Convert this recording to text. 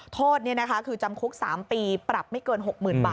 โทษนี่นะคะคือจำคุก๓ปีปรับไม่เกิน๖หมื่นบาท